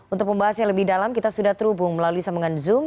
untuk pembahas yang lebih dalam kita sudah terhubung melalui sambungan zoom